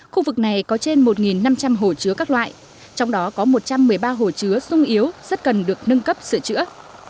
khu vực này có trên một năm trăm linh hồ chứa các loại trong đó có một trăm một mươi ba hồ chứa sung yếu rất cần được nâng cấp sửa chữa